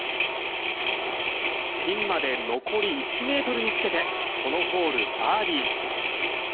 ピンまで残り１ｍにつけてこのホール、バーディー。